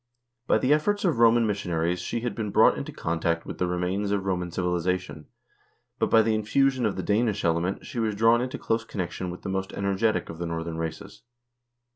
By the efforts of Roman missionaries she had been brought into contact with the remains of Roman civilization, but by the infusion of the Danish element she was drawn into close connection with the most energetic of the Northern races."